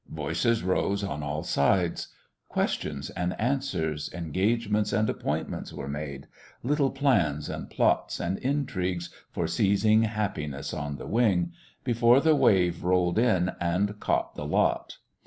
Voices rose on all sides. Questions and answers, engagements and appointments were made, little plans and plots and intrigues for seizing happiness on the wing before the wave rolled in and caught the lot.